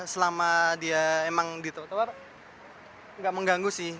selama dia emang ditutup nggak mengganggu sih